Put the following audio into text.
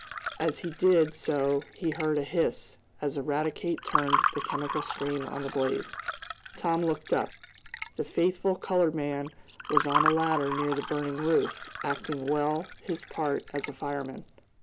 As he did so he heard a hiss, as Eradicate turned the chemical stream on the blaze. Tom looked up. The faithful colored man was on a ladder near the burning roof, acting well his part as a fireman.